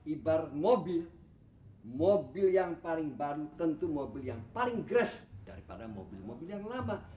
ibar mobil mobil yang paling ban tentu mobil yang paling grash daripada mobil mobil yang lama